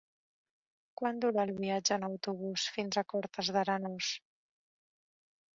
Quant dura el viatge en autobús fins a Cortes d'Arenós?